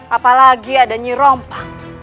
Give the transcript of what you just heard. apalagi ada nyirompa